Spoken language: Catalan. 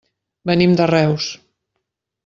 Venim de Reus.